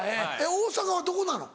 大阪はどこなの？